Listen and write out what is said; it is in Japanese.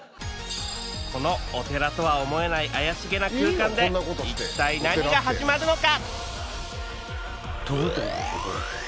このお寺とは思えない怪しげな空間で一体何が始まるのか？